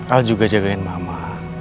alma juga jagain mama